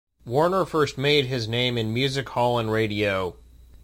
Warner first made his name in music hall and radio.